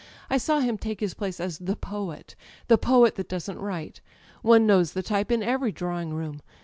I saw him take his place as 'the poet': the poet who doesn't write. One knows the tjrpe in every drawing room.